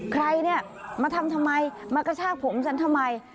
ใครเนี่ยมาทำทำไมมากระชากผมฉันทำไม